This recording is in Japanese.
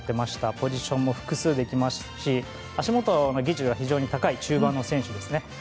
ポジションも複数できますし足元の技術が非常に高い中盤の選手ですね。